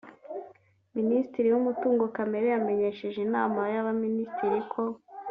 Minisitiri w’Umutungo Kamere yamenyesheje Inama y’Abaminisitiri ko